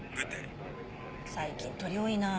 最近鳥多いなあ。